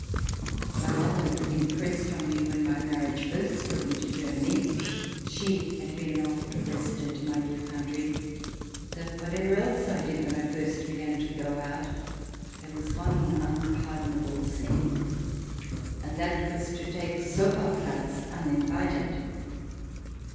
My mother impressed on me, when my marriage first took me to Germany (she had been an old resident in my new country), that whatever else I did when I first began to " go out " there was one unpardonable sin, and that was to take Sofa Platz uninvited.